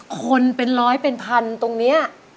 คนเป็นร้อยเป็นพันตรงนี้